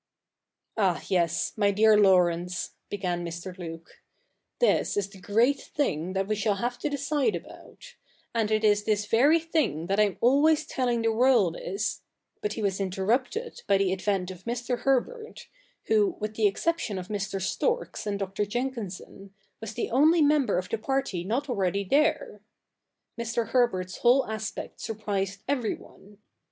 ' Ah, yes, my dear Laurence,' began Mr. Luke, 'this is the great thing that we shall have to decide about ; and CH. i] THE NEW REPUBLIC 123 it is this ven' thing that I am ahvays teUing the world But he was interrupted by the advent of Mr. Herbert, who, with the exception of Mr. Storks and Dr. Jenkinson, was the only member of the party not already there. Mr. Herbert's whole aspect surprised everyone.